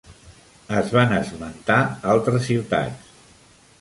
Es van esmentar altres ciutats.